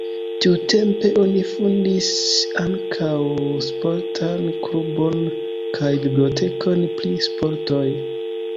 Tiutempe oni fondis ankaŭ sportan klubon kaj bibliotekon pri sportoj.